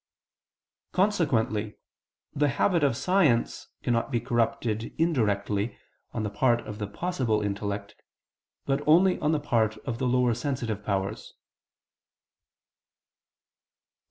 Consequently the habit of science cannot be corrupted indirectly, on the part of the "possible" intellect, but only on the part of the lower sensitive powers.